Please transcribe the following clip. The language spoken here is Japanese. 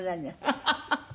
ハハハハ！